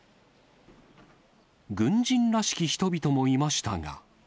軍人らしき人々もいましたが。